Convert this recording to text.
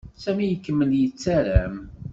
Sami ikemmel yettarem.